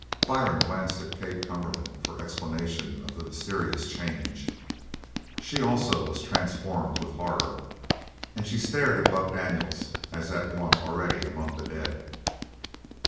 Byrne glanced at Kate Cumberland for explanation of the mysterious change. She, also, was transformed with horror, and she stared at Buck Daniels as at one already among the dead.